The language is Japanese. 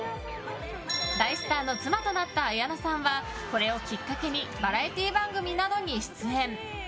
大スターの妻となった綾菜さんはこれをきっかけにバラエティー番組などに出演。